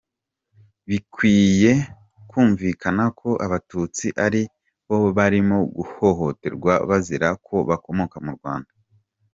Bikwiye kumvikana ko Abatutsi ari bo barimo guhohohoterwa bazira ko bakomoka mu Rwanda.